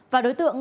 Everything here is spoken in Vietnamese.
và đối tượng